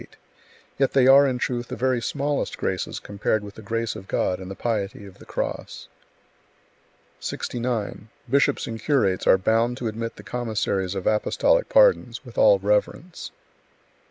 Yet they are in truth the very smallest graces compared with the grace of God and the piety of the Cross. 69. Bishops and curates are bound to admit the commissaries of apostolic pardons, with all reverence.